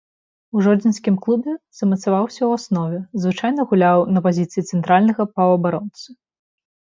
У жодзінскім клубе замацаваўся ў аснове, звычайна гуляў на пазіцыі цэнтральнага паўабаронцы.